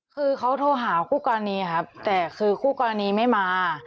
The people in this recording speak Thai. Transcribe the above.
คือเขาโทรหาคู่กรณีครับแต่คือคู่กรณีไม่มา